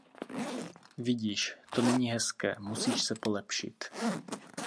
Vidíš, to není hezké, musíš se polepšit!